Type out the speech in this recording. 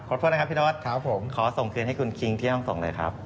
ขอโทษนะครับพี่โทษขอส่งเงินให้คุณคิงที่ห้องส่งเลยครับ